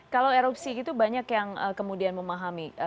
kalau erupsi itu banyak yang kemudian memahami